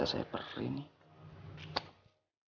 kalau ternyata dari awal semestinya